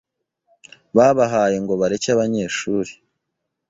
babahaye ngo bareke abanyeshuri